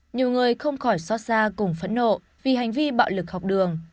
nhiều người không khỏi xót xa cùng phẫn nộ vì hành vi bạo lực học đường